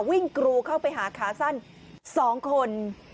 กรูเข้าไปหาขาสั้น๒คน